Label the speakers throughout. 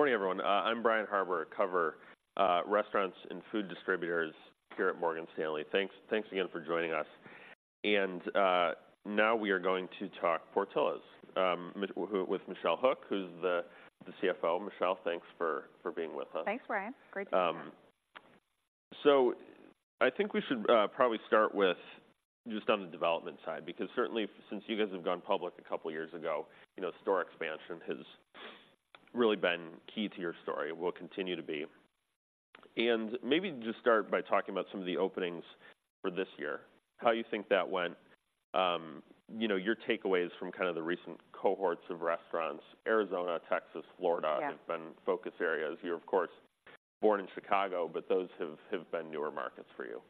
Speaker 1: Good morning, everyone. I'm Brian Harbour. I cover, restaurants and food distributors here at Morgan Stanley. Thanks, thanks again for joining us. Now we are going to talk Portillo's, with, with Michelle Hook, who's the, the CFO. Michelle, thanks for, for being with us.
Speaker 2: Thanks, Brian. Great to be here.
Speaker 1: So I think we should probably start with just on the development side, because certainly since you guys have gone public a couple years ago, you know, store expansion has really been key to your story, and will continue to be. And maybe just start by talking about some of the openings for this year, how you think that went. You know, your takeaways from kind of the recent cohorts of restaurants. Arizona, Texas, Florida-
Speaker 2: Yeah
Speaker 1: have been focus areas. You're, of course, born in Chicago, but those have been newer markets for you.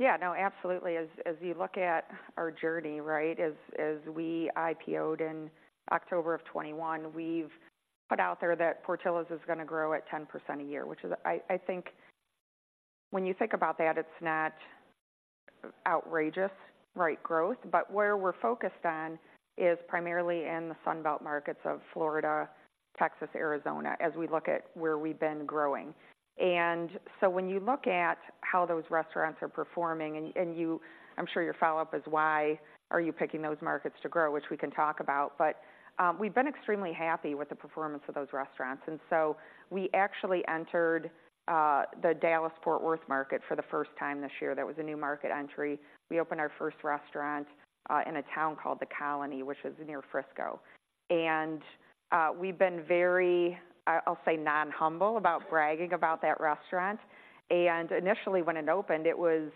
Speaker 2: Yeah. No, absolutely. As you look at our journey, right, as we IPO in October 2021, we've put out there that Portillo's is going to grow at 10% a year, which is, I think when you think about that, it's not outrageous, right, growth. But where we're focused on is primarily in the Sun Belt markets of Florida, Texas, Arizona, as we look at where we've been growing. And so when you look at how those restaurants are performing, and you-- I'm sure your follow-up is, why are you picking those markets to grow? Which we can talk about, but, we've been extremely happy with the performance of those restaurants. And so we actually entered the Dallas-Fort Worth market for the first time this year. That was a new market entry. We opened our first restaurant in a town called The Colony, which is near Frisco. We've been very, I'll say, non-humble about bragging about that restaurant. Initially when it opened, it was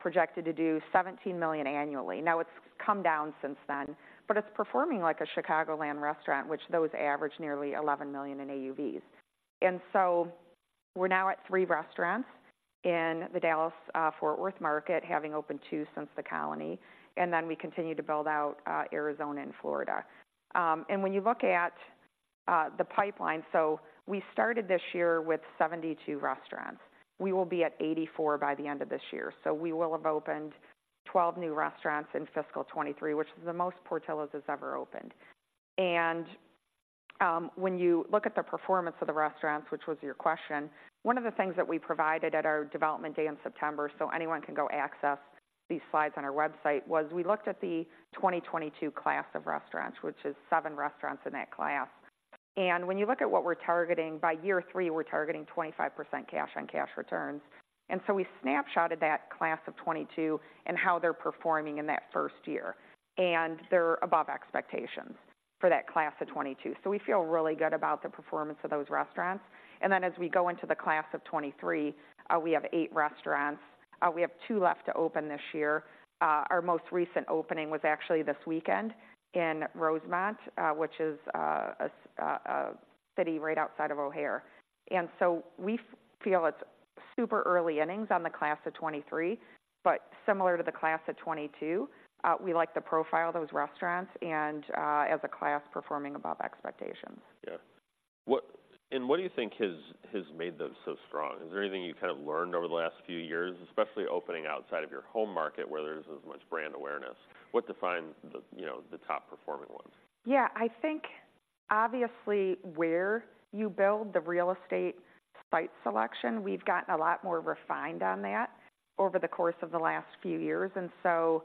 Speaker 2: projected to do $17 million annually. Now, it's come down since then, but it's performing like a Chicagoland restaurant, which those average nearly $11 million in AUVs. We're now at three restaurants in the Dallas-Fort Worth market, having opened two since The Colony, and then we continue to build out Arizona and Florida. When you look at the pipeline, we started this year with 72 restaurants. We will be at 84 by the end of this year. We will have opened 12 new restaurants in fiscal 2023, which is the most Portillo's has ever opened. When you look at the performance of the restaurants, which was your question, one of the things that we provided at our Development Day in September, so anyone can go access these slides on our website, was we looked at the 2022 class of restaurants, which is seven restaurants in that class. When you look at what we're targeting, by year three, we're targeting 25% cash-on-cash returns. So we snapshotted that class of 2022 and how they're performing in that first year, and they're above expectations for that class of 2022. So we feel really good about the performance of those restaurants. Then as we go into the class of 2023, we have eight restaurants. We have two left to open this year. Our most recent opening was actually this weekend in Rosemont, which is a city right outside of O'Hare. And so we feel it's super early innings on the class of 2023, but similar to the class of 2022, we like the profile of those restaurants and, as a class, performing above expectations.
Speaker 1: Yeah. And what do you think has made them so strong? Is there anything you've kind of learned over the last few years, especially opening outside of your home market, where there isn't as much brand awareness? What defines the, you know, the top performing ones?
Speaker 2: Yeah, I think obviously where you build the real estate site selection, we've gotten a lot more refined on that over the course of the last few years. And so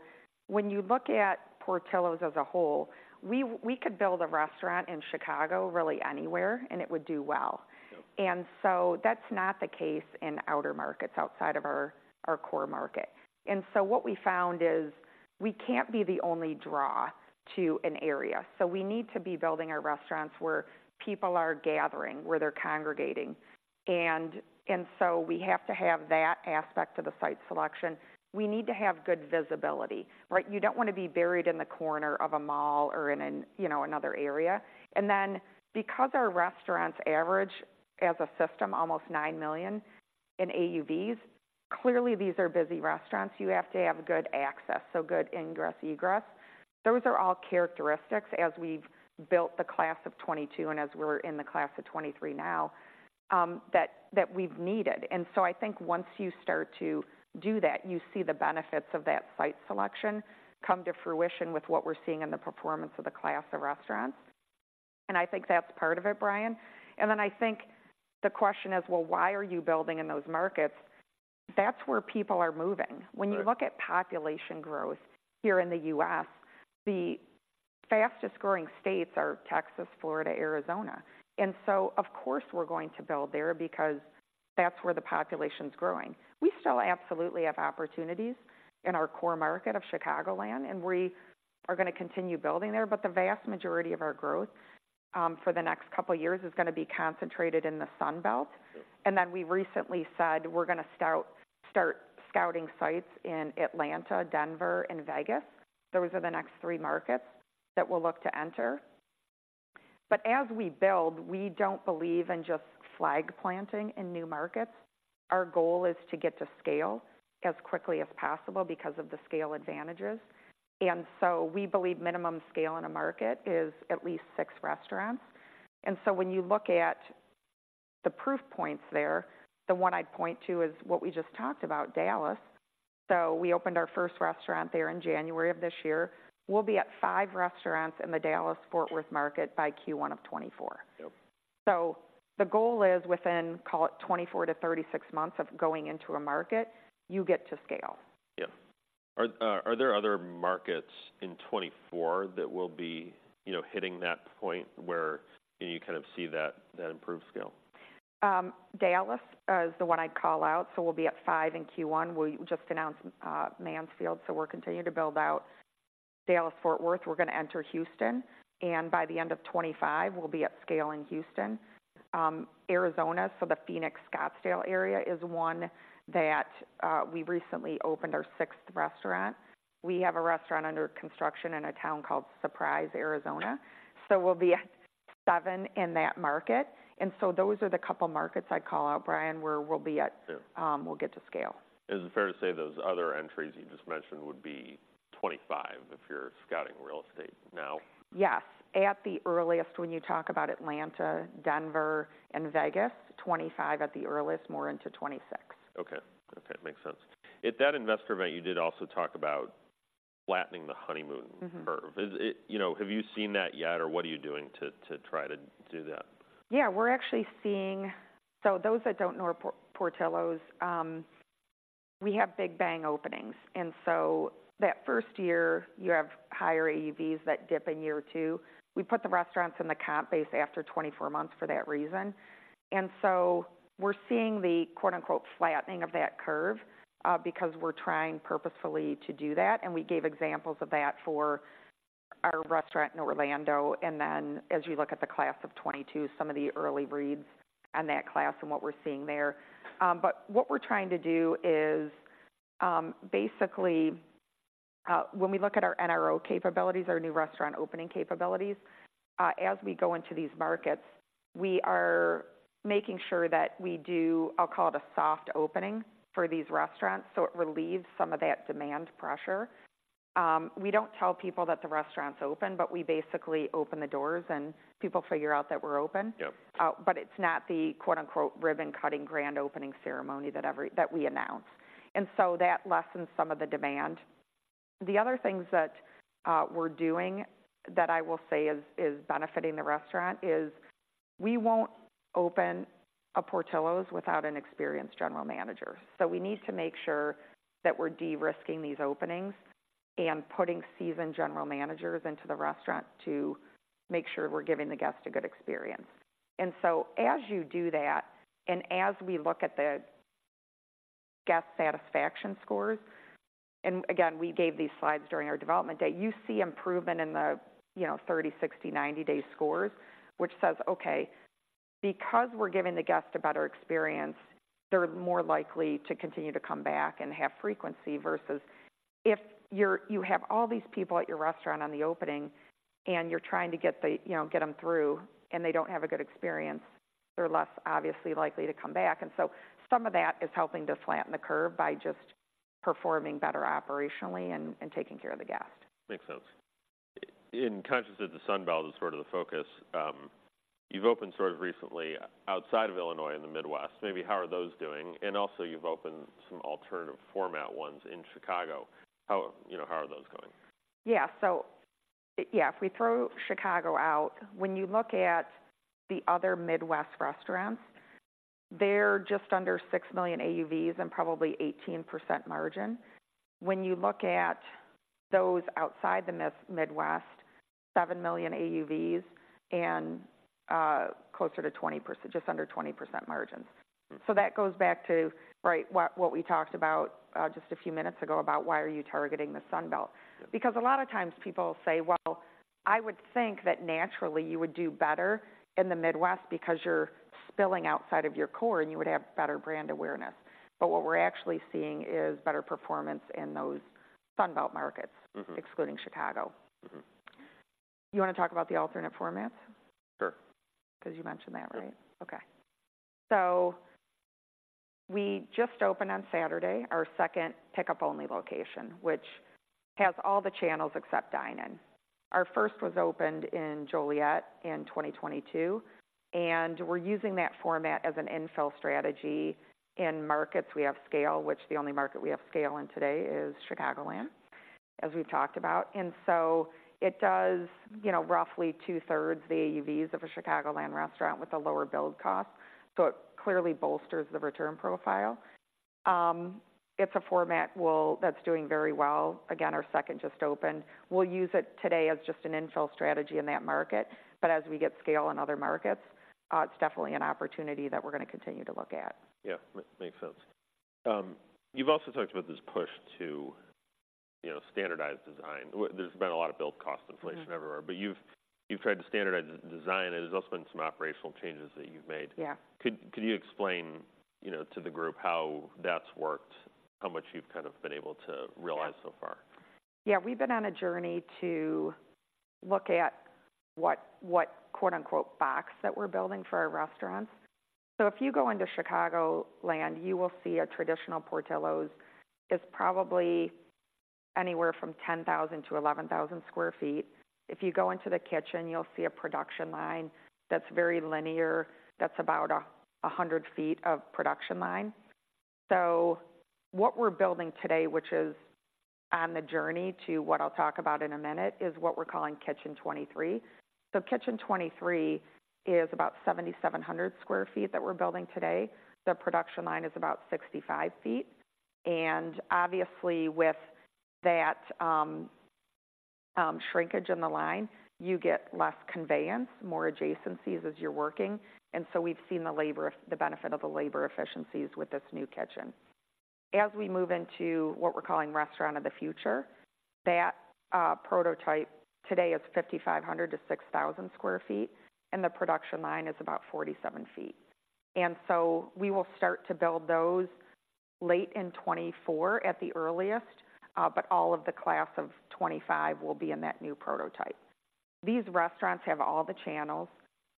Speaker 2: when you look at Portillo's as a whole, we, we could build a restaurant in Chicago, really anywhere, and it would do well.
Speaker 1: Yeah.
Speaker 2: So that's not the case in outer markets, outside of our core market. So what we found is we can't be the only draw to an area, so we need to be building our restaurants where people are gathering, where they're congregating. And so we have to have that aspect of the site selection. We need to have good visibility, right? You don't want to be buried in the corner of a mall or in an, you know, another area. And then, because our restaurants average, as a system, almost $9 million in AUVs, clearly these are busy restaurants. You have to have good access, so good ingress, egress. Those are all characteristics as we've built the class of 2022 and as we're in the class of 2023 now, that we've needed. So I think once you start to do that, you see the benefits of that site selection come to fruition with what we're seeing in the performance of the class of restaurants. I think that's part of it, Brian. Then I think the question is, well, why are you building in those markets? That's where people are moving.
Speaker 1: Right.
Speaker 2: When you look at population growth here in the U.S., the fastest growing states are Texas, Florida, Arizona. And so of course, we're going to build there because that's where the population's growing. We still absolutely have opportunities in our core market of Chicagoland, and we are gonna continue building there, but the vast majority of our growth, for the next couple of years, is gonna be concentrated in the Sun Belt.
Speaker 1: Yeah.
Speaker 2: And then we recently said we're gonna start scouting sites in Atlanta, Denver, and Vegas. Those are the next three markets that we'll look to enter. But as we build, we don't believe in just flag planting in new markets. Our goal is to get to scale as quickly as possible because of the scale advantages. And so we believe minimum scale in a market is at least six restaurants. And so when you look at the proof points there, the one I'd point to is what we just talked about, Dallas. So we opened our first restaurant there in January of this year. We'll be at five restaurants in the Dallas-Fort Worth market by Q1 of 2024.
Speaker 1: Yep.
Speaker 2: The goal is within, call it 24-36 months of going into a market, you get to scale.
Speaker 1: Yeah. Are there other markets in 2024 that will be, you know, hitting that point where, you know, you kind of see that, that improved scale?
Speaker 2: Dallas is the one I'd call out, so we'll be at five in Q1. We just announced Mansfield, so we're continuing to build out Dallas-Fort Worth. We're gonna enter Houston, and by the end of 2025, we'll be at scale in Houston. Arizona, so the Phoenix, Scottsdale area is one that we recently opened our sixth restaurant. We have a restaurant under construction in a town called Surprise, Arizona, so we'll be at seven in that market. And so those are the couple markets I'd call out, Brian, where we'll be at-
Speaker 1: Sure.
Speaker 2: We'll get to scale.
Speaker 1: Is it fair to say those other entries you just mentioned would be 2025 if you're scouting real estate now?
Speaker 2: Yes. At the earliest, when you talk about Atlanta, Denver, and Vegas, 2025 at the earliest, more into 2026.
Speaker 1: Okay. Okay, makes sense. At that investor event, you did also talk about flattening the honeymoon-
Speaker 2: Mm-hmm
Speaker 1: curve. Is it... You know, have you seen that yet, or what are you doing to try to do that?
Speaker 2: Yeah, we're actually seeing—So those that don't know Portillo's, we have big bang openings, and so that first year, you have higher AUVs that dip in year two. We put the restaurants in the comp base after 24 months for that reason. And so we're seeing the quote-unquote "flattening of that curve," because we're trying purposefully to do that, and we gave examples of that for our restaurant in Orlando, and then as you look at the class of 2022, some of the early reads on that class and what we're seeing there. What we're trying to do is, basically, when we look at our NRO capabilities, our new restaurant opening capabilities, as we go into these markets, we are making sure that we do, I'll call it a soft opening for these restaurants, so it relieves some of that demand pressure. We don't tell people that the restaurant's open, but we basically open the doors, and people figure out that we're open.
Speaker 1: Yep.
Speaker 2: But it's not the quote-unquote "ribbon cutting" grand opening ceremony that we announce. And so that lessens some of the demand. The other things that we're doing that I will say is benefiting the restaurant is, we won't open a Portillo's without an experienced general manager. So we need to make sure that we're de-risking these openings and putting seasoned general managers into the restaurant to make sure we're giving the guests a good experience. And so as you do that, and as we look at the guest satisfaction scores, and again, we gave these slides during our Development Day, you see improvement in the, you know, 30, 60, 90-day scores, which says, "Okay, because we're giving the guests a better experience, they're more likely to continue to come back and have frequency," versus if you're-- you have all these people at your restaurant on the opening and you're trying to get the, you know, get them through, and they don't have a good experience, they're less obviously likely to come back. And so some of that is helping to flatten the curve by just performing better operationally and, and taking care of the guest.
Speaker 1: Makes sense. I'm conscious of the Sun Belt is sort of the focus. You've opened sort of recently outside of Illinois in the Midwest. Maybe how are those doing? And also, you've opened some alternative format ones in Chicago. How, you know, how are those going?
Speaker 2: Yeah. So yeah, if we throw Chicago out, when you look at the other Midwest restaurants, they're just under $6 million AUVs and probably 18% margin. When you look at those outside the Midwest, $7 million AUVs and closer to 20%, just under 20% margins. So that goes back to, right, what we talked about just a few minutes ago, about why are you targeting the Sun Belt?
Speaker 1: Yep.
Speaker 2: Because a lot of times people say: Well, I would think that naturally you would do better in the Midwest because you're spilling outside of your core, and you would have better brand awareness. But what we're actually seeing is better performance in those Sun Belt markets-
Speaker 1: Mm-hmm.
Speaker 2: - excluding Chicago.
Speaker 1: Mm-hmm.
Speaker 2: You want to talk about the alternate formats?
Speaker 1: Sure.
Speaker 2: Because you mentioned that, right?
Speaker 1: Yeah.
Speaker 2: Okay. So we just opened on Saturday, our second pickup-only location, which has all the channels except dine-in. Our first was opened in Joliet in 2022, and we're using that format as an infill strategy. In markets we have scale, which the only market we have scale in today is Chicagoland, as we've talked about. And so it does, you know, roughly two-thirds the AUV of a Chicagoland restaurant with a lower build cost, so it clearly bolsters the return profile. It's a format that's doing very well. Again, our second just opened. We'll use it today as just an infill strategy in that market, but as we get scale in other markets, it's definitely an opportunity that we're gonna continue to look at.
Speaker 1: Yeah, makes sense. You've also talked about this push to, you know, standardize design. There's been a lot of build cost inflation-
Speaker 2: Mm-hmm...
Speaker 1: everywhere, but you've tried to standardize design, and there's also been some operational changes that you've made.
Speaker 2: Yeah.
Speaker 1: Could you explain, you know, to the group how that's worked, how much you've kind of been able to realize so far?
Speaker 2: Yeah. We've been on a journey to look at what quote-unquote, "box" that we're building for our restaurants. So if you go into Chicagoland, you will see a traditional Portillo's is probably anywhere from 10,000-11,000 sq ft. If you go into the kitchen, you'll see a production line that's very linear, that's about 100 feet of production line. So what we're building today, which is on the journey to what I'll talk about in a minute, is what we're calling Kitchen 23. So Kitchen 23 is about 7,700 sq ft that we're building today. The production line is about 65 feet, and obviously, with that, shrinkage in the line, you get less conveyance, more adjacencies as you're working. And so we've seen the labor the benefit of the labor efficiencies with this new kitchen. As we move into what we're calling Restaurant of the Future, that prototype today is 5,500-6,000 sq ft, and the production line is about 47 feet. And so we will start to build those late in 2024 at the earliest, but all of the class of 2025 will be in that new prototype. These restaurants have all the channels.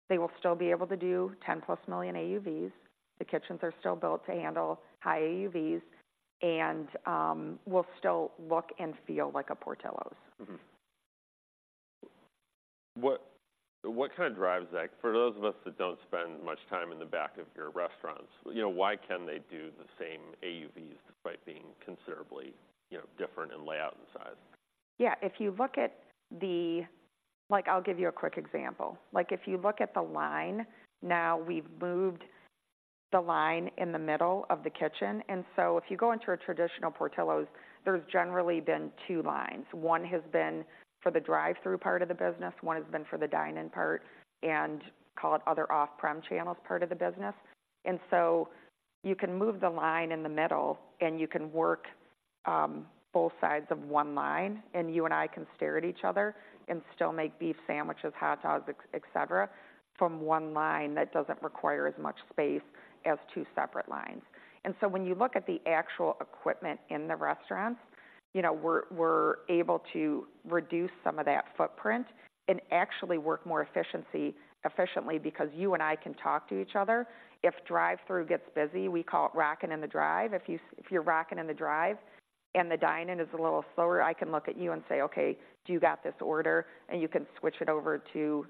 Speaker 2: They will still be able to do 10+ million AUVs. The kitchens are still built to handle high AUVs and will still look and feel like a Portillo's.
Speaker 1: Mm-hmm. What, what kind of drives that? For those of us that don't spend much time in the back of your restaurants, you know, why can they do the same AUVs despite being considerably, you know, different in layout and size?
Speaker 2: Yeah, if you look at the... Like, I'll give you a quick example. Like, if you look at the line, now, we've moved the line in the middle of the kitchen, and so if you go into a traditional Portillo's, there's generally been two lines. One has been for the drive-through part of the business, one has been for the dine-in part, and call it other off-prem channels part of the business. And so you can move the line in the middle, and you can work both sides of one line, and you and I can stare at each other and still make beef sandwiches, hot dogs, et cetera, from one line that doesn't require as much space as two separate lines. And so when you look at the actual equipment in the restaurants, you know, we're able to reduce some of that footprint and actually work more efficiently because you and I can talk to each other. If drive-through gets busy, we call it rocking in the drive. If you're rocking in the drive and the dine-in is a little slower, I can look at you and say: "Okay, do you got this order?" And you can switch it over to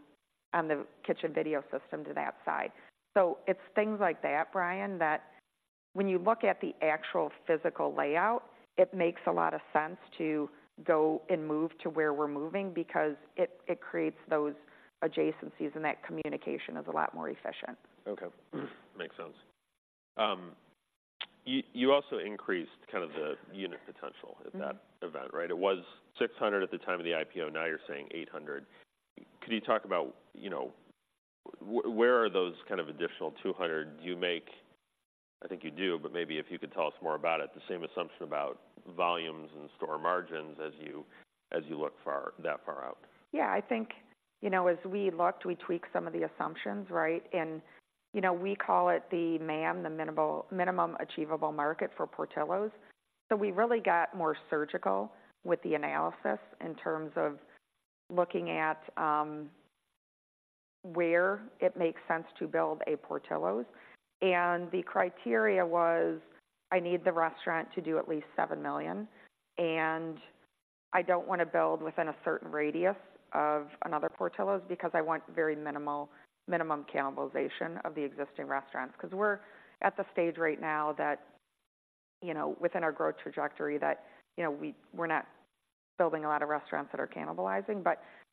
Speaker 2: on the kitchen video system to that side. So it's things like that, Brian, that when you look at the actual physical layout, it makes a lot of sense to go and move to where we're moving because it creates those adjacencies, and that communication is a lot more efficient.
Speaker 1: Okay. Makes sense. You also increased kind of the unit potential-
Speaker 2: Mm-hmm.
Speaker 1: At that event, right? It was 600 at the time of the IPO, now you're saying 800. Could you talk about, you know, where are those kind of additional 200? Do you make... I think you do, but maybe if you could tell us more about it, the same assumption about volumes and store margins as you, as you look far, that far out.
Speaker 2: Yeah, I think, you know, as we looked, we tweaked some of the assumptions, right? And, you know, we call it the MAM, the Minimum Achievable Market for Portillo's. So we really got more surgical with the analysis in terms of looking at where it makes sense to build a Portillo's. And the criteria was, I need the restaurant to do at least $7 million, and I don't want to build within a certain radius of another Portillo's, because I want very minimal, minimum cannibalization of the existing restaurants. Because we're at the stage right now that, you know, within our growth trajectory, that, you know, we-- we're not building a lot of restaurants that are cannibalizing.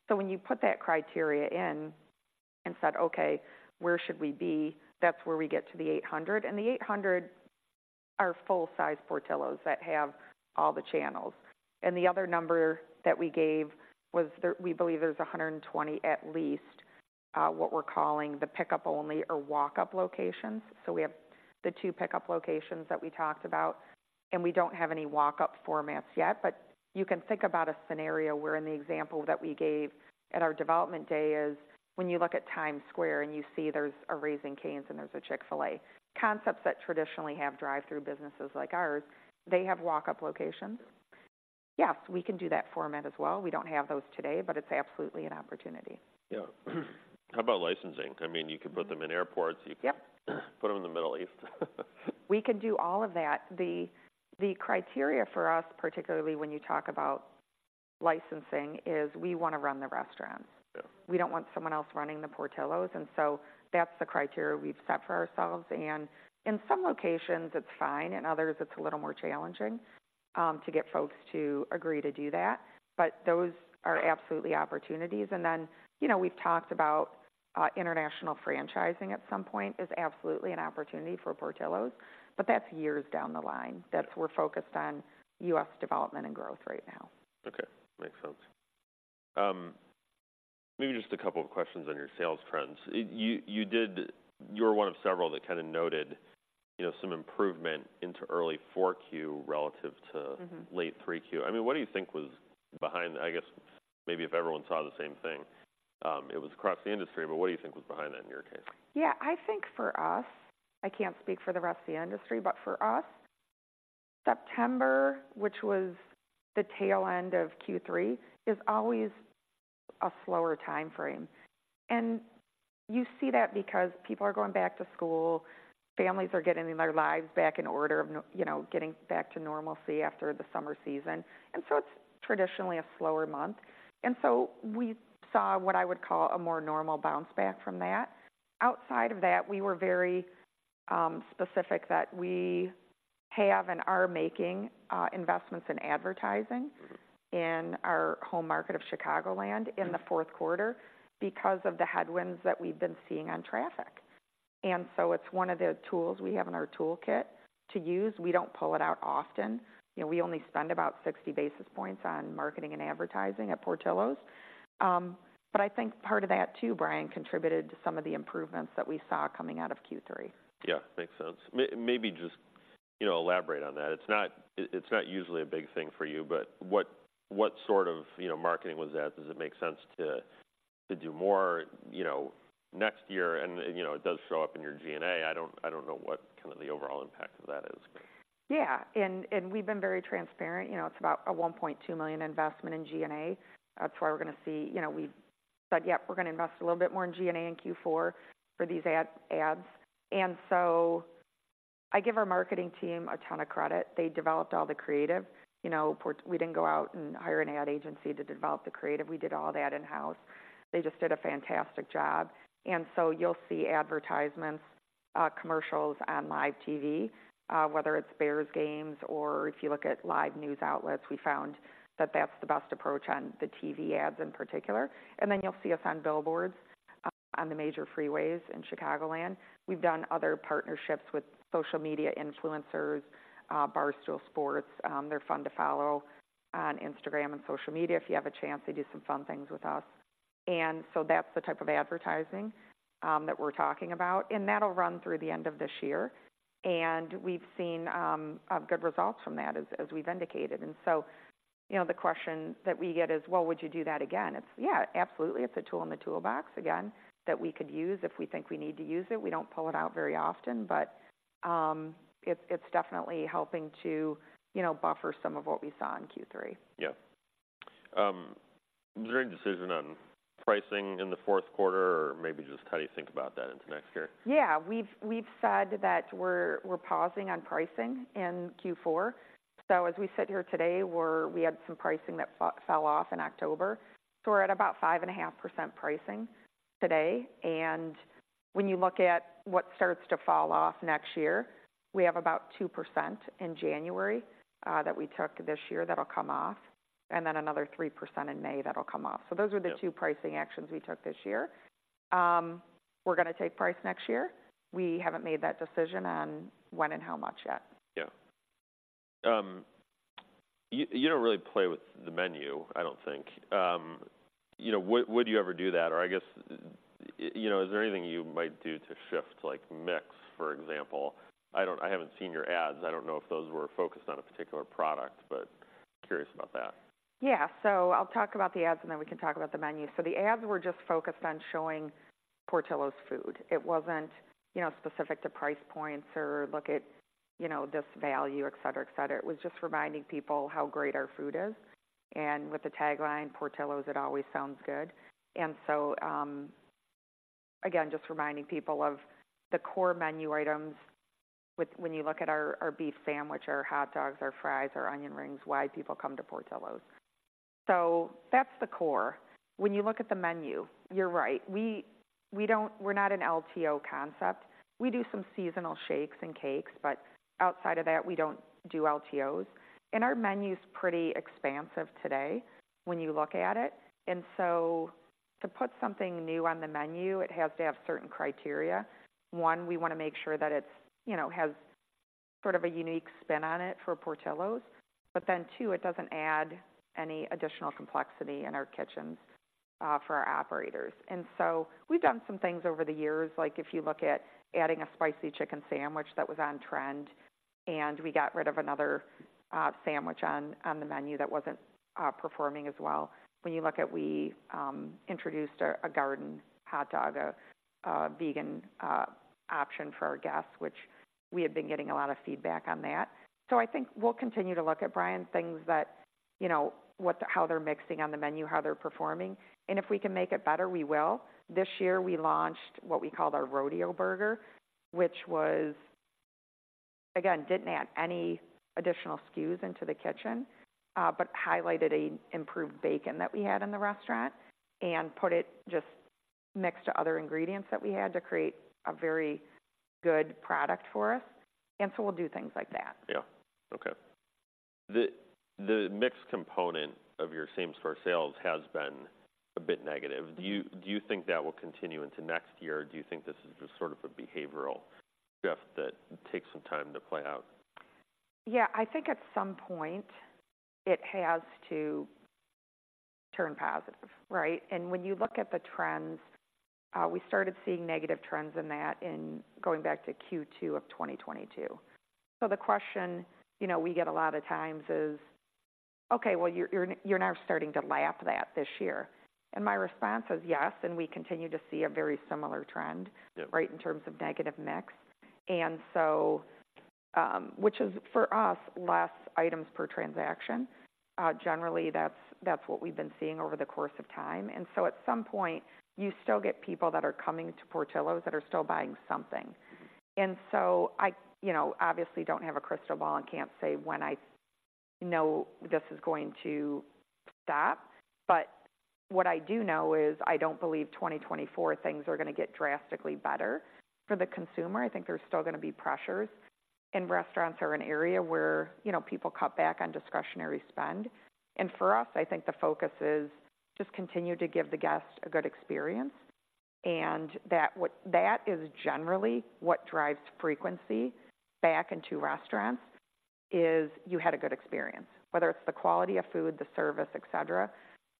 Speaker 2: So when you put that criteria in and said, "Okay, where should we be?" That's where we get to the 800, and the 800 are full-size Portillo's that have all the channels. And the other number that we gave was there, we believe there's 120, at least, what we're calling the pickup only or walk-up locations. So we have the 2 pickup locations that we talked about, and we don't have any walk-up formats yet, but you can think about a scenario where in the example that we gave at our Development Day is, when you look at Times Square and you see there's a Raising Cane's and there's a Chick-fil-A, concepts that traditionally have drive-through businesses like ours, they have walk-up locations. Yes, we can do that format as well. We don't have those today, but it's absolutely an opportunity.
Speaker 1: Yeah. How about licensing? I mean, you could put them in airports-
Speaker 2: Yep.
Speaker 1: You could put them in the Middle East.
Speaker 2: We can do all of that. The criteria for us, particularly when you talk about licensing, is we want to run the restaurants.
Speaker 1: Yeah.
Speaker 2: We don't want someone else running the Portillo's, and so that's the criteria we've set for ourselves. And in some locations, it's fine, and others, it's a little more challenging to get folks to agree to do that. But those are absolutely opportunities. And then, you know, we've talked about international franchising at some point is absolutely an opportunity for Portillo's, but that's years down the line.
Speaker 1: Yeah.
Speaker 2: That's where we're focused on U.S. development and growth right now.
Speaker 1: Okay. Makes sense. Maybe just a couple of questions on your sales trends. You were one of several that kinda noted, you know, some improvement into early 4Q relative to-
Speaker 2: Mm-hmm.
Speaker 1: Late 3Q. I mean, what do you think was behind... I guess maybe if everyone saw the same thing, it was across the industry, but what do you think was behind that in your case?
Speaker 2: Yeah, I think for us, I can't speak for the rest of the industry, but for us, September, which was the tail end of Q3, is always a slower time frame. You see that because people are going back to school, families are getting their lives back in order, you know, getting back to normalcy after the summer season, and so it's traditionally a slower month. And so we saw what I would call a more normal bounce back from that. Outside of that, we were very specific that we have and are making investments in advertising in our home market of Chicagoland in the fourth quarter because of the headwinds that we've been seeing on traffic. And so it's one of the tools we have in our toolkit to use. We don't pull it out often. You know, we only spend about 60 basis points on marketing and advertising at Portillo's. But I think part of that too, Brian, contributed to some of the improvements that we saw coming out of Q3.
Speaker 1: Yeah, makes sense. Maybe just, you know, elaborate on that. It's not, it's not usually a big thing for you, but what sort of, you know, marketing was that? Does it make sense to do more, you know, next year? And, you know, it does show up in your G&A. I don't know what kind of the overall impact of that is.
Speaker 2: Yeah, and we've been very transparent. You know, it's about a $1.2 million investment in G&A. That's why we're gonna see. You know, we said, "Yep, we're gonna invest a little bit more in G&A in Q4 for these ads." And so I give our marketing team a ton of credit. They developed all the creative. You know, we didn't go out and hire an ad agency to develop the creative. We did all that in-house. They just did a fantastic job. And so you'll see advertisements, commercials on live TV, whether it's Bears games or if you look at live news outlets. We found that that's the best approach on the TV ads in particular. And then you'll see us on billboards on the major freeways in Chicagoland. We've done other partnerships with social media influencers, Barstool Sports. They're fun to follow on Instagram and social media. If you have a chance, they do some fun things with us. And so that's the type of advertising that we're talking about, and that'll run through the end of this year. And we've seen good results from that as we've indicated. And so, you know, the question that we get is: Well, would you do that again? It's yeah, absolutely. It's a tool in the toolbox, again, that we could use if we think we need to use it. We don't pull it out very often, but it's definitely helping to, you know, buffer some of what we saw in Q3.
Speaker 1: Yeah. Was there any decision on pricing in the fourth quarter, or maybe just how do you think about that into next year?
Speaker 2: Yeah, we've said that we're pausing on pricing in Q4. So as we sit here today, we're - we had some pricing that fell off in October, so we're at about 5.5% pricing today. And when you look at what starts to fall off next year, we have about 2% in January that we took this year that'll come off, and then another 3% in May that'll come off.
Speaker 1: Yeah.
Speaker 2: Those are the two pricing actions we took this year. We're gonna take price next year. We haven't made that decision on when and how much yet.
Speaker 1: Yeah. You don't really play with the menu, I don't think. You know, would you ever do that? Or I guess, you know, is there anything you might do to shift, like, mix, for example? I don't—I haven't seen your ads. I don't know if those were focused on a particular product, but curious about that.
Speaker 2: Yeah. So I'll talk about the ads, and then we can talk about the menu. So the ads were just focused on showing Portillo's food. It wasn't, you know, specific to price points or look at, you know, this value, et cetera, et cetera. It was just reminding people how great our food is, and with the tagline, "Portillo's, it always sounds good." And so, again, just reminding people of the core menu items with, when you look at our, our beef sandwich, our hot dogs, our fries, our onion rings, why people come to Portillo's. So that's the core. When you look at the menu, you're right, we, we don't, we're not an LTO concept. We do some seasonal shakes and cakes, but outside of that, we don't do LTOs. Our menu is pretty expansive today when you look at it, and so to put something new on the menu, it has to have certain criteria. One, we wanna make sure that it's, you know, has sort of a unique spin on it for Portillo's, but then, two, it doesn't add any additional complexity in our kitchens for our operators. So we've done some things over the years, like if you look at adding a Spicy Chicken Sandwich that was on trend, and we got rid of another sandwich on the menu that wasn't performing as well. When you look at we introduced a Garden Dog, a vegan option for our guests, which we had been getting a lot of feedback on that. So I think we'll continue to look at, Brian, things that, you know, what the... How they're mixing on the menu, how they're performing, and if we can make it better, we will. This year, we launched what we called our Rodeo Burger, which was... Again, didn't add any additional SKUs into the kitchen, but highlighted an improved bacon that we had in the restaurant and put it just next to other ingredients that we had to create a very good product for us. And so we'll do things like that.
Speaker 1: Yeah. Okay. The mix component of your same store sales has been a bit negative. Do you think that will continue into next year, or do you think this is just sort of a behavioral shift that takes some time to play out?
Speaker 2: Yeah, I think at some point it has to turn positive, right? And when you look at the trends, we started seeing negative trends in that in going back to Q2 of 2022. So the question, you know, we get a lot of times is: Okay, well, you're now starting to lap that this year. And my response is, yes, and we continue to see a very similar trend-
Speaker 1: Yeah...
Speaker 2: right, in terms of negative mix. And so, which is for us, less items per transaction. Generally, that's, that's what we've been seeing over the course of time. And so at some point, you still get people that are coming to Portillo's, that are still buying something. And so I, you know, obviously don't have a crystal ball and can't say when I know this is going to stop, but what I do know is, I don't believe 2024 things are gonna get drastically better for the consumer. I think there's still gonna be pressures, and restaurants are an area where, you know, people cut back on discretionary spend. And for us, I think the focus is just continue to give the guest a good experience, and that what-- that is generally what drives frequency back into restaurants, is you had a good experience. Whether it's the quality of food, the service, et cetera,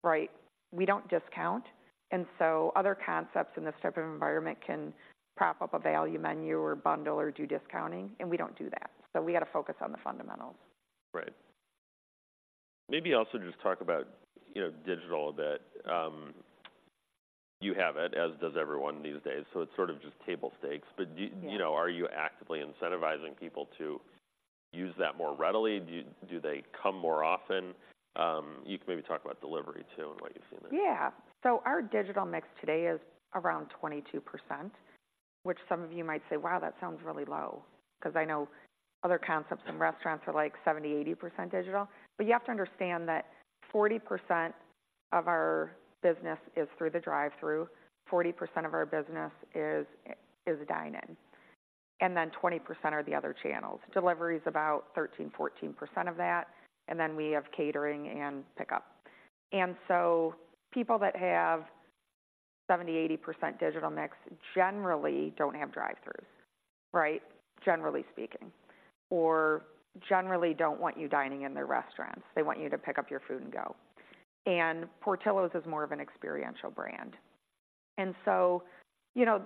Speaker 2: right? We don't discount, and so other concepts in this type of environment can prop up a value menu or bundle or do discounting, and we don't do that. So we got to focus on the fundamentals.
Speaker 1: Right. Maybe also just talk about, you know, digital a bit. You have it, as does everyone these days, so it's sort of just table stakes. But do you-
Speaker 2: Yeah.
Speaker 1: You know, are you actively incentivizing people to use that more readily? Do they come more often? You can maybe talk about delivery, too, and what you've seen there.
Speaker 2: Yeah. So our digital mix today is around 22%, which some of you might say, "Wow, that sounds really low," 'cause I know other concepts and restaurants are, like, 70-80% digital. But you have to understand that 40% of our business is through the drive-thru, 40% of our business is dine-in, and then 20% are the other channels. Delivery is about 13%-14% of that, and then we have catering and pickup. And so people that have 70-80% digital mix generally don't have drive-thrus, right? Generally speaking. Or generally don't want you dining in their restaurants. They want you to pick up your food and go. And Portillo's is more of an experiential brand. And so, you know,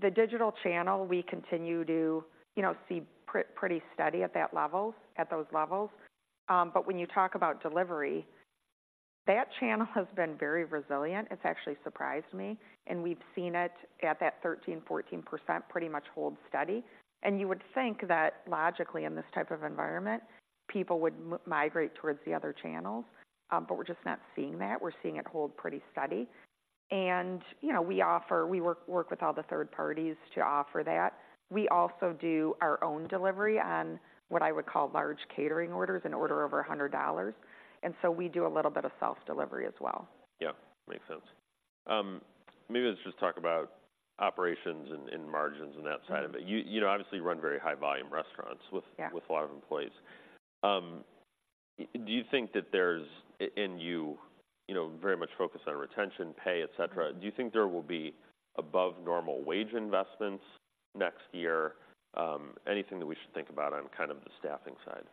Speaker 2: the digital channel, we continue to, you know, see pretty steady at that level, at those levels. But when you talk about delivery, that channel has been very resilient. It's actually surprised me, and we've seen it at that 13%-14%, pretty much hold steady. And you would think that logically, in this type of environment, people would migrate towards the other channels, but we're just not seeing that. We're seeing it hold pretty steady. And, you know, we offer, we work with all the third parties to offer that. We also do our own delivery on what I would call large catering orders, an order over $100, and so we do a little bit of self-delivery as well.
Speaker 1: Yeah, makes sense. Maybe let's just talk about operations and margins and that side of it.
Speaker 2: Mm-hmm.
Speaker 1: You know, obviously, you run very high-volume restaurants with-
Speaker 2: Yeah...
Speaker 1: with a lot of employees. Do you think that there's... And you, you know, very much focus on retention, pay, et cetera. Do you think there will be above-normal wage investments next year? Anything that we should think about on kind of the staffing side?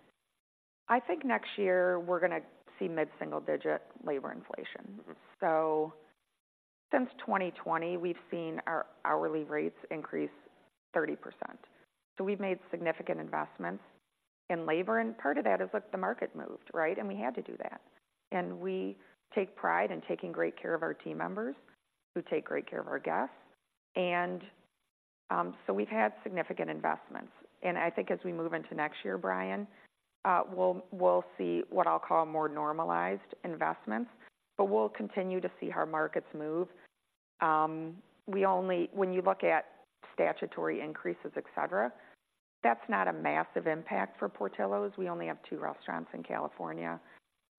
Speaker 2: I think next year we're gonna see mid-single-digit labor inflation.
Speaker 1: Mm-hmm.
Speaker 2: So since 2020, we've seen our hourly rates increase 30%. So we've made significant investments in labor, and part of that is, look, the market moved, right? And we had to do that. And we take pride in taking great care of our team members, who take great care of our guests. And, so we've had significant investments. And I think as we move into next year, Brian, we'll, we'll see what I'll call more normalized investments, but we'll continue to see how markets move. We only, when you look at statutory increases, et cetera, that's not a massive impact for Portillo's. We only have two restaurants in California.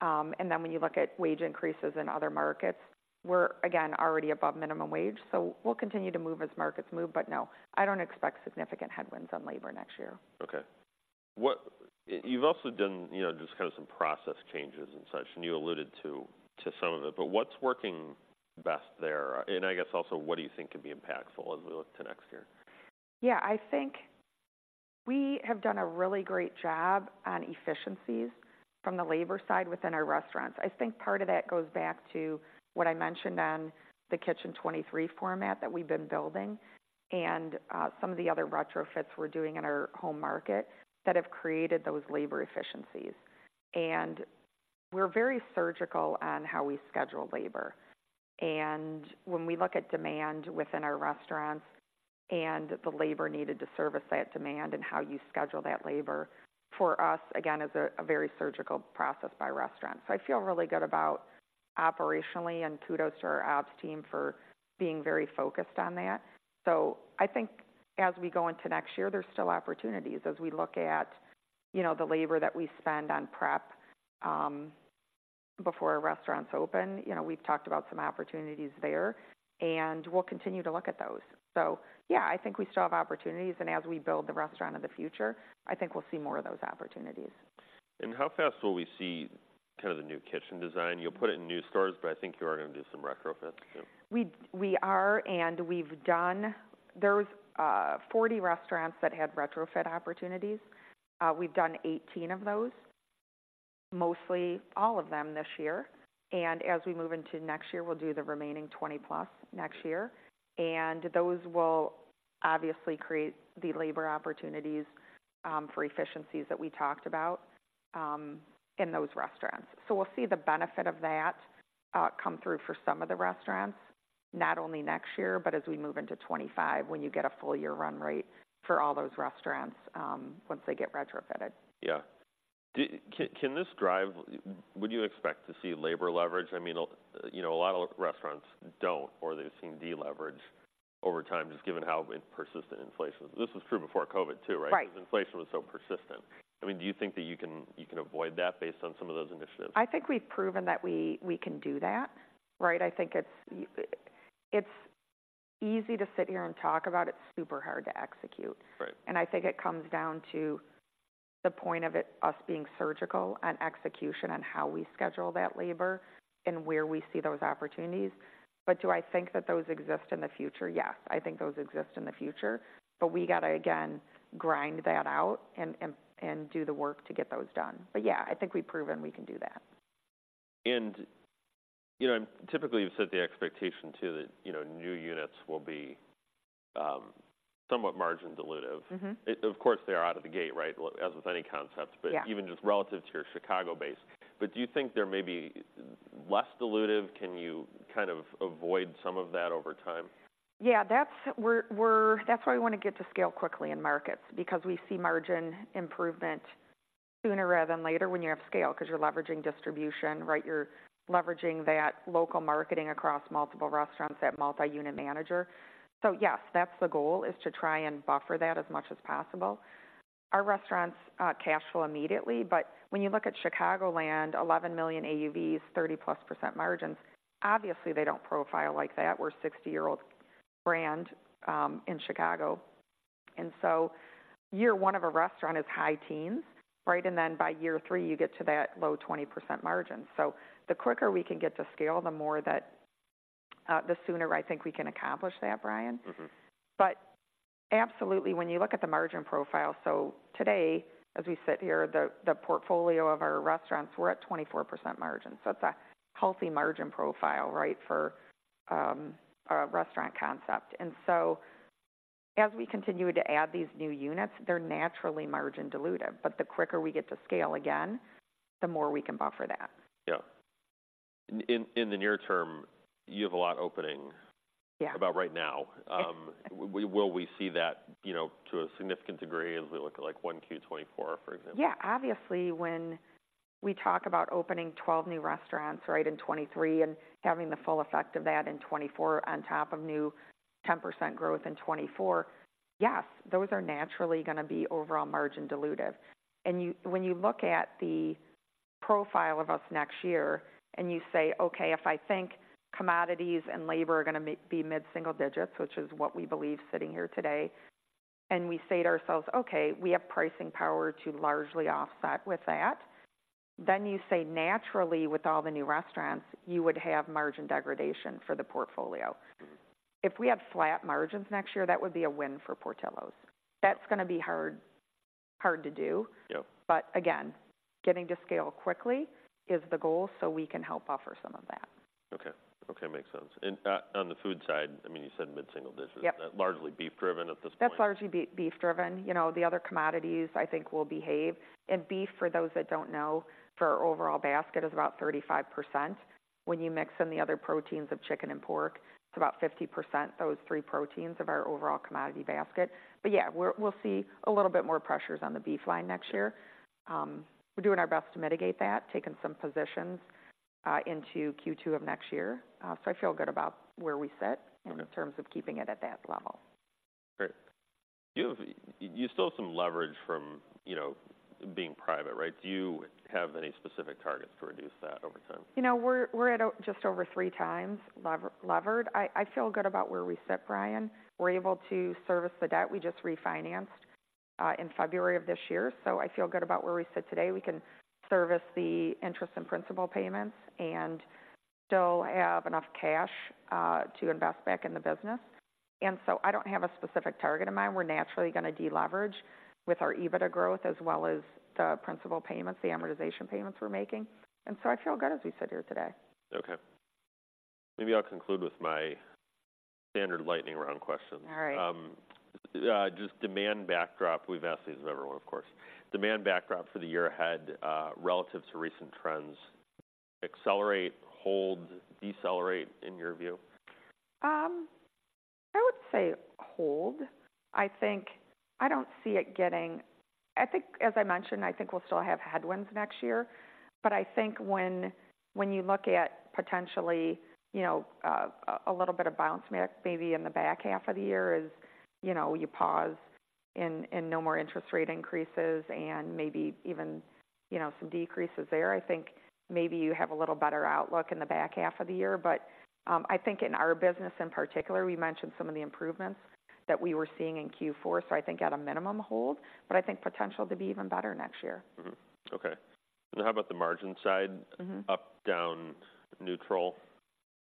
Speaker 2: When you look at wage increases in other markets, we're, again, already above minimum wage, so we'll continue to move as markets move, but no, I don't expect significant headwinds on labor next year.
Speaker 1: Okay. What? You've also done, you know, just kind of some process changes and such, and you alluded to some of it, but what's working best there? And I guess also, what do you think could be impactful as we look to next year?
Speaker 2: Yeah, I think we have done a really great job on efficiencies from the labor side within our restaurants. I think part of that goes back to what I mentioned on the Kitchen 23 format that we've been building, and some of the other retrofits we're doing in our home market that have created those labor efficiencies. And we're very surgical on how we schedule labor. And when we look at demand within our restaurants and the labor needed to service that demand and how you schedule that labor, for us, again, it's a very surgical process by restaurant. So I feel really good about operationally, and kudos to our ops team for being very focused on that. So I think as we go into next year, there's still opportunities as we look at, you know, the labor that we spend on prep before a restaurant's open. You know, we've talked about some opportunities there, and we'll continue to look at those. So yeah, I think we still have opportunities, and as we build the Restaurant of the Future, I think we'll see more of those opportunities.
Speaker 1: How fast will we see kind of the new kitchen design? You'll put it in new stores, but I think you are gonna do some retrofits too.
Speaker 2: We are, and we've done. There's 40 restaurants that had retrofit opportunities. We've done 18 of those, mostly all of them this year. And as we move into next year, we'll do the remaining 20 plus next year, and those will obviously create the labor opportunities for efficiencies that we talked about in those restaurants. So we'll see the benefit of that come through for some of the restaurants, not only next year, but as we move into 2025, when you get a full year run rate for all those restaurants, once they get retrofitted.
Speaker 1: Yeah. Would you expect to see labor leverage? I mean, you know, a lot of restaurants don't, or they've seen deleverage over time, just given how persistent inflation. This was true before COVID, too, right?
Speaker 2: Right.
Speaker 1: Because inflation was so persistent. I mean, do you think that you can avoid that based on some of those initiatives?
Speaker 2: I think we've proven that we can do that. Right? I think it's easy to sit here and talk about it, super hard to execute.
Speaker 1: Right.
Speaker 2: I think it comes down to the point of it, us being surgical on execution, on how we schedule that labor and where we see those opportunities. But do I think that those exist in the future? Yes, I think those exist in the future, but we got to, again, grind that out and do the work to get those done. But yeah, I think we've proven we can do that.
Speaker 1: You know, typically, you've set the expectation too, that, you know, new units will be somewhat margin dilutive.
Speaker 2: Mm-hmm.
Speaker 1: Of course, they are out of the gate, right? As with any concept.
Speaker 2: Yeah.
Speaker 1: But even just relative to your Chicago base. But do you think there may be less dilutive? Can you kind of avoid some of that over time?
Speaker 2: Yeah, that's why we want to get to scale quickly in markets, because we see margin improvement sooner rather than later when you have scale, because you're leveraging distribution, right? You're leveraging that local marketing across multiple restaurants, that multi-unit manager. So yes, that's the goal, is to try and buffer that as much as possible. Our restaurants cash flow immediately, but when you look at Chicagoland, $11 million AUVs, 30%+ margins. Obviously, they don't profile like that. We're a 60-year-old brand in Chicago, and so year one of a restaurant is high teens%, right? And then by year three, you get to that low 20% margin. So the quicker we can get to scale, the more that the sooner I think we can accomplish that, Brian.
Speaker 1: Mm-hmm.
Speaker 2: But absolutely, when you look at the margin profile, so today, as we sit here, the portfolio of our restaurants, we're at 24% margin. So that's a healthy margin profile, right, for a restaurant concept. And so as we continue to add these new units, they're naturally margin dilutive, but the quicker we get to scale again, the more we can buffer that.
Speaker 1: Yeah. In the near term, you have a lot opening-
Speaker 2: Yeah
Speaker 1: -about right now. Will we see that, you know, to a significant degree as we look at, like, Q1 2024, for example?
Speaker 2: Yeah. Obviously, when we talk about opening 12 new restaurants, right, in 2023 and having the full effect of that in 2024 on top of 10% growth in 2024, yes, those are naturally going to be overall margin dilutive. And you, when you look at the profile of us next year and you say, "Okay, if I think commodities and labor are going to be mid-single digits," which is what we believe sitting here today, and we say to ourselves, "Okay, we have pricing power to largely offset with that," then you say, naturally, with all the new restaurants, you would have margin degradation for the portfolio.
Speaker 1: Mm-hmm.
Speaker 2: If we had flat margins next year, that would be a win for Portillo's. That's going to be hard, hard to do.
Speaker 1: Yep.
Speaker 2: But again, getting to scale quickly is the goal, so we can help buffer some of that.
Speaker 1: Okay. Okay, makes sense. And, on the food side, I mean, you said mid-single digits.
Speaker 2: Yep.
Speaker 1: Largely beef-driven at this point?
Speaker 2: That's largely beef-driven. You know, the other commodities I think will behave. And beef, for those that don't know, for our overall basket, is about 35%. When you mix in the other proteins of chicken and pork, it's about 50%, those three proteins, of our overall commodity basket. But yeah, we'll see a little bit more pressures on the beef line next year. We're doing our best to mitigate that, taking some positions, into Q2 of next year. So I feel good about where we sit-
Speaker 1: Okay...
Speaker 2: in terms of keeping it at that level.
Speaker 1: Great. You still have some leverage from, you know, being private, right? Do you have any specific targets to reduce that over time?
Speaker 2: You know, we're at just over 3x levered. I feel good about where we sit, Brian. We're able to service the debt. We just refinanced in February of this year, so I feel good about where we sit today. We can service the interest and principal payments and still have enough cash to invest back in the business. And so I don't have a specific target in mind. We're naturally going to deleverage with our EBITDA growth as well as the principal payments, the amortization payments we're making. And so I feel good as we sit here today.
Speaker 1: Okay. Maybe I'll conclude with my standard lightning round question.
Speaker 2: All right.
Speaker 1: Just demand backdrop. We've asked these of everyone, of course. Demand backdrop for the year ahead, relative to recent trends, accelerate, hold, decelerate, in your view?
Speaker 2: I would say hold. I think I don't see it getting. I think, as I mentioned, I think we'll still have headwinds next year, but I think when you look at potentially, you know, a little bit of bounce mix, maybe in the back half of the year, as, you know, you pause and no more interest rate increases and maybe even, you know, some decreases there, I think maybe you have a little better outlook in the back half of the year. But, I think in our business in particular, we mentioned some of the improvements that we were seeing in Q4, so I think at a minimum hold, but I think potential to be even better next year.
Speaker 1: Mm-hmm. Okay. How about the margin side?
Speaker 2: Mm-hmm.
Speaker 1: Up, down, neutral?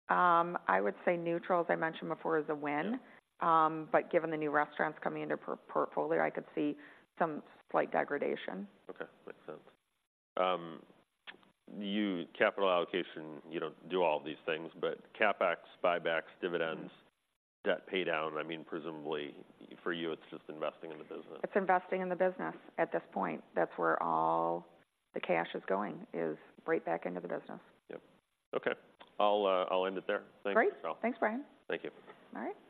Speaker 2: I would say neutral, as I mentioned before, is a win.
Speaker 1: Yeah.
Speaker 2: But given the new restaurants coming into our portfolio, I could see some slight degradation.
Speaker 1: Okay, makes sense. Your capital allocation, you don't do all these things, but CapEx, buybacks, dividends, debt paydown, I mean, presumably for you, it's just investing in the business.
Speaker 2: It's investing in the business at this point. That's where all the cash is going, is right back into the business.
Speaker 1: Yep. Okay. I'll, I'll end it there.
Speaker 2: Great.
Speaker 1: Thank you, Val.
Speaker 2: Thanks, Brian.
Speaker 1: Thank you.
Speaker 2: All right.